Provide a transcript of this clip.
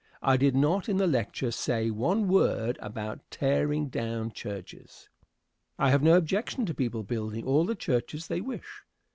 I did not in the lecture say one word about tearing down churches. I have no objection to people building all the churches they wish.